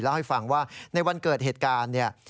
เล่าให้ฟังว่าในวันเกิดเหตุการณ์เนี่ย